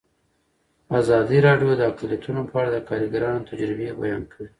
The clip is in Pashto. ازادي راډیو د اقلیتونه په اړه د کارګرانو تجربې بیان کړي.